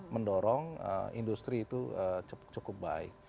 mendorong industri itu cukup baik